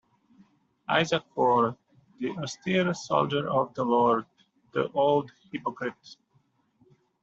Isaac Ford, the austere soldier of the Lord, the old hypocrite.